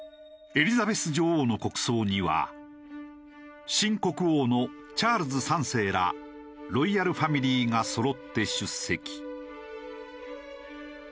エリザベス女王の国葬には新国王のチャールズ３世らロイヤルファミリーがそろって出席。